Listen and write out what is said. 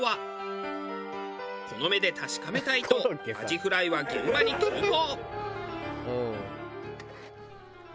この目で確かめたいとアジフライは現場に急行。